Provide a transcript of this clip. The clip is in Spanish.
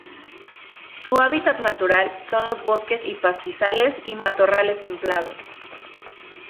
Su hábitat natural son los bosques y pastizales y matorrales templados.